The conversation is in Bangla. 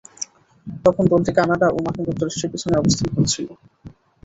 তখন দলটি কানাডা ও মার্কিন যুক্তরাষ্ট্রের পিছনে অবস্থান করছিল।